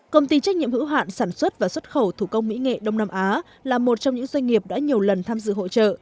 công ty trách nhiệm hữu hạn sản xuất và xuất khẩu thủ công mỹ nghệ đông nam á là một trong những doanh nghiệp đã nhiều lần tham dự hội trợ